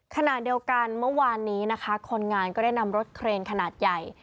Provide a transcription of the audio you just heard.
ขณะเดียวกันเมื่อวานนี้นะคะคนงานก็ได้นำรถเครนขนาดใหญ่